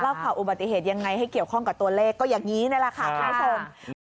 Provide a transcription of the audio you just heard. ข่าวอุบัติเหตุยังไงให้เกี่ยวข้องกับตัวเลขก็อย่างนี้นี่แหละค่ะคุณผู้ชม